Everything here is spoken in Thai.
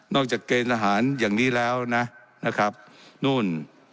จากเกณฑ์ทหารอย่างนี้แล้วนะครับนู่น